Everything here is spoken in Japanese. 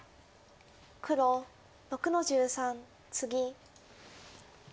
黒６の十三ツギ。